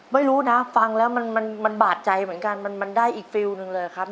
ไม่รู้นะฟังแล้วมันบาดใจเหมือนกันมันได้อีกฟิลลหนึ่งเลยครับ